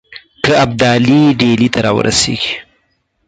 که ابدالي ډهلي ته را ورسیږي.